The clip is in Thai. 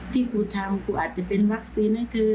ที่กูทำกูอาจจะเป็นวัคซีนให้เธอ